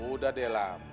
udah deh lah